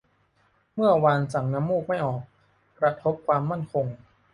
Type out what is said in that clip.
เมื่อวานสั่งน้ำมูกไม่ออก กระทบความมั่นคง